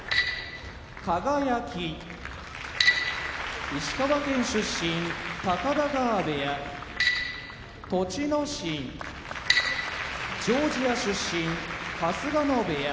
輝石川県出身高田川部屋栃ノ心ジョージア出身春日野部屋